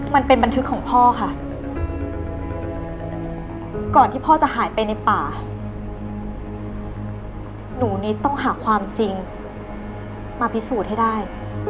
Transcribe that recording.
บันทึกของพ่อค่ะก่อนที่พ่อจะหายไปในป่าหนูนิดต้องหาความจริงมาพิสูจน์ให้ได้